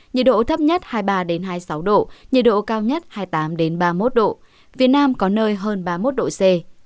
nhiệt độ thấp nhất hai mươi ba hai mươi sáu độ nhiệt độ cao nhất hai mươi tám ba mươi một độ việt nam có nơi hơn ba mươi một độ c